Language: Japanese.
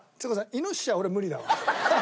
イノシシは俺無理だわ。